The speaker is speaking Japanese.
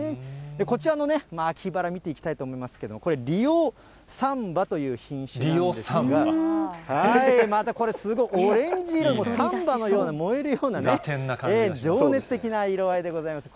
こちらの秋バラ、見ていきたいと思いますけれども、これ、リオサンバという品種なんですが、またこれ、すごいオレンジ色のサンバのような、燃えるようなね、情熱的な色合いでございます。